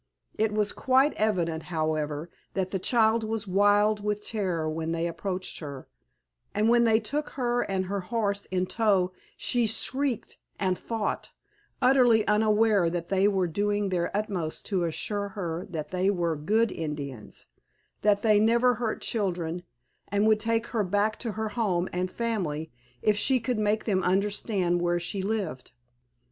It was quite evident, however, that the child was wild with terror when they approached her, and when they took her and her horse in tow she shrieked and fought, utterly unaware that they were doing their utmost to assure her that they were "good Indians," that they never hurt children and would take her back to her home and family if she could make them understand where she lived.